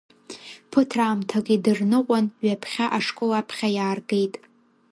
Ԥыҭраамҭак идырныҟәан, ҩаԥхьа ашкол аԥхьа иааргеит.